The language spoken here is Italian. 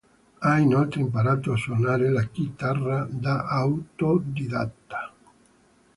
Ha inoltre imparato a suonare la chitarra da autodidatta.